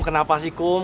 kenapa sih kum